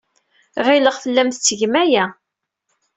Ɣileɣ tellam tettgem aya.